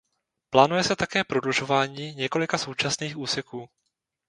Plánuje se také prodlužování několika současných úseků.